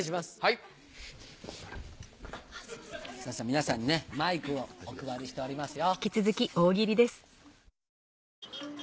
皆さんにマイクをお配りしておりますよ。